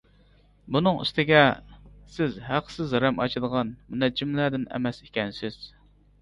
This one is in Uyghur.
بۇنىڭ ئۈستىگە، سىز ھەقسىز رەم ئاچىدىغان مۇنەججىملەردىن ئەمەس ئىكەنسىز.